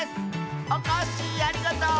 おこっしぃありがとう！